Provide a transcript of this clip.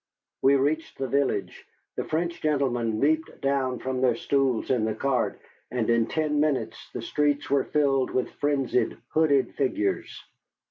We reached the village, the French gentlemen leaped down from their stools in the cart, and in ten minutes the streets were filled with frenzied, hooded figures.